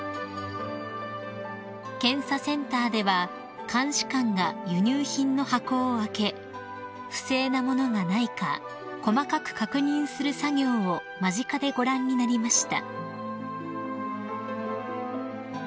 ［検査センターでは監視官が輸入品の箱を開け不正な物がないか細かく確認する作業を間近でご覧になりました］